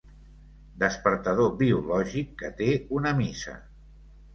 Despertador biològic que té una missa.